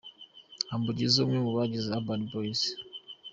Humble Jizzo umwe mu bagize Urban Boys.